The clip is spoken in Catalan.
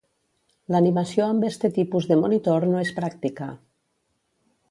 L'animació amb este tipus de monitor no és pràctica.